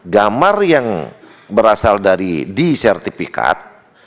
gambar yang berasal dari d sertifikat